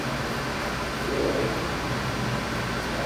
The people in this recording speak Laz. Mu ay!